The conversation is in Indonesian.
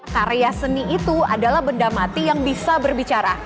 karya seni itu adalah benda mati yang bisa berbicara